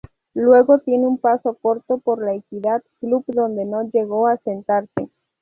Luego tiene un paso corto por La Equidad, club donde no llegó asentarse.